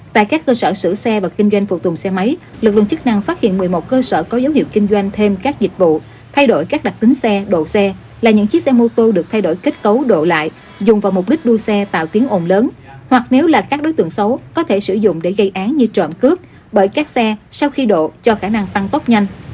tại các cơ sở sửa xe và kinh doanh phụ tùng xe máy lực lượng chức năng phát hiện một mươi một cơ sở có dấu hiệu kinh doanh thêm các dịch vụ thay đổi các đặc tính xe độ xe là những chiếc xe mô tô được thay đổi kết cấu độ lại dùng vào mục đích đua xe tạo tiếng ồn lớn hoặc nếu là các đối tượng xấu có thể sử dụng để gây án như trộm cướp bởi các xe sau khi độ cho khả năng tăng tốc nhanh